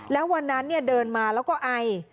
แล้ววันนั้นเดินมาแล้วก็ไอ